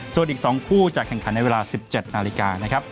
ส่วนอีก๒คู่จะแข่งขันในเวลา๑๗นาฬิกานะครับ